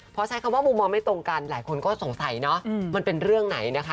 พอใช้คำว่ามุมมองไม่ตรงกันหลายคนก็สงสัยเนาะมันเป็นเรื่องไหนนะคะ